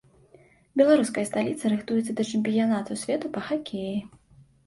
Беларуская сталіца рыхтуецца да чэмпіянату свету па хакеі.